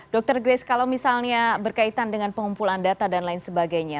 dr grace kalau misalnya berkaitan dengan pengumpulan data dan lain sebagainya